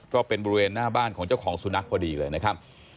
ก็เป็นบริเวณหน้าบ้านของเจ้าของสุนัขพอดีเลยนะครับ